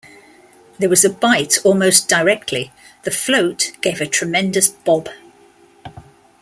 There was a bite almost directly; the float gave a tremendous bob!